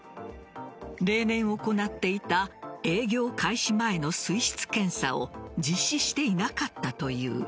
例年行っていた営業開始前の水質検査を実施していなかったという。